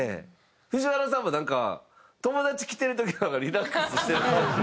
藤原さんもなんか友達来てる時の方がリラックスしてる感じ。